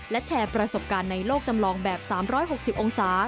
และแชร์ประสบการณ์ในโลกจำลองแบบ๓๖๐องศา